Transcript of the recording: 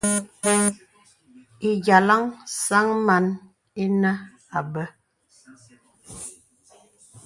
Ìyàlaŋ sàŋ màn ìnə àbə̀.